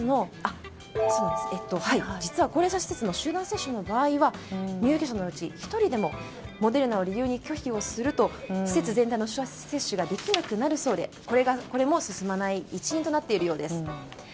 実は高齢者施設の集団接種の場合は入居者のうち１人でもモデルナを理由に拒否をすると施設全体の接種ができなくなるそうで、これも進まない一因となっているようです。